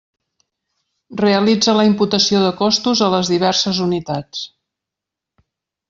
Realitza la imputació de costos a les diverses unitats.